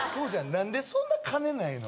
何でそんな金ないの？